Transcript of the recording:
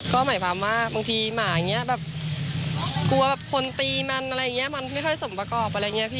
ก็หมายความว่าบางทีหมากลัวคนตีมันไม่ค่อยสมประกอบ